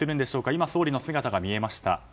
今、総理の姿が見えました。